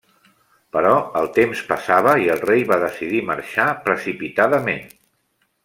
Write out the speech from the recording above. Però el temps passava i el rei va decidir marxar precipitadament.